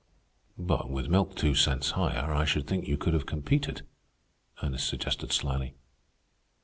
"But with milk two cents higher, I should think you could have competed," Ernest suggested slyly.